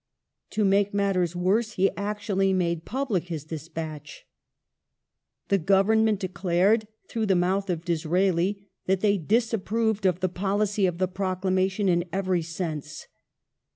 To make matters worse he actually made public his de spatch. The Government declared, through the mouth of Disraeli, that they " disapproved of the policy of the proclamation in every sense